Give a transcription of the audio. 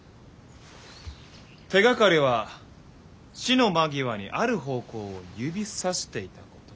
手がかりは死の間際にある方向を指さしていたこと。